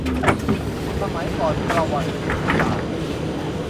สมัยก่อนประวัติศาสตร์